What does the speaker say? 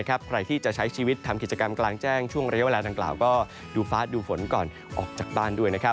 ใครที่จะใช้ชีวิตทำกิจกรรมกลางแจ้งช่วงระยะเวลาดังกล่าวก็ดูฟ้าดูฝนก่อนออกจากบ้านด้วย